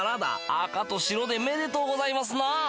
赤と白でめでとうございますなぁ。